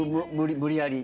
無理やり。